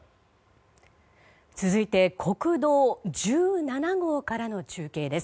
続いて国道１７号からの中継です。